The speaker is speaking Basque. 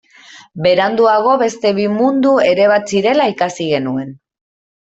Beranduago beste bi mundu ere bazirela ikasi genuen.